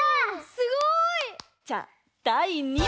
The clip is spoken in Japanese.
すごい！じゃあだい２もん！